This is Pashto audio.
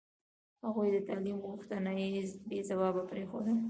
هغوی د تعلیم غوښتنه بې ځوابه پرېښوده.